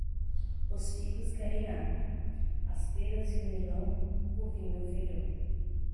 Os figos querem água; as pêras e o melão, o vinho felló.